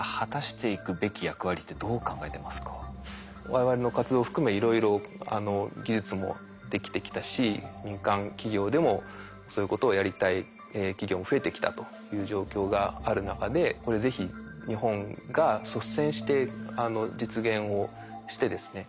我々の活動を含めいろいろ技術もできてきたし民間企業でもそういうことをやりたい企業も増えてきたという状況がある中でこれ是非日本が率先して実現をしてですね